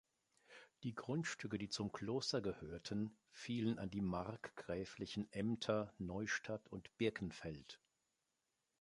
Die Grundstücke, die zum Kloster gehörten, fielen an die markgräflichen Ämter Neustadt und Birkenfeld.